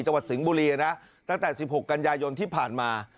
จังหวัดสิงห์บุรีนะตั้งแต่๑๖กันยายนที่ผ่านมา